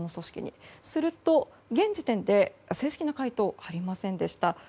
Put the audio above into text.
すると、現時点で正式な回答はありませんでした。